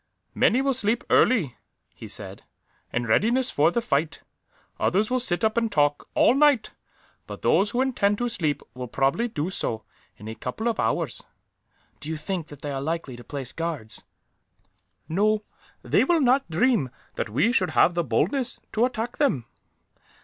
"Many will sleep early," he said, "in readiness for the fight. Others will sit up and talk, all night; but those who intend to sleep will probably do so, in a couple of hours." "Do you think that they are likely to place guards?" "No; they will not dream that we should have the boldness to attack them."